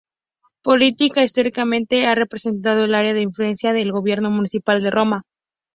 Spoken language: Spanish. Política e históricamente ha representado el área de influencia del gobierno municipal de Roma.